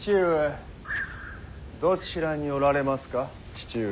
父上。